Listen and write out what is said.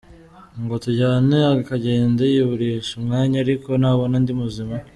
ngo tujyane akagenda yiburisha umwanya ariko nabona ndi muzima.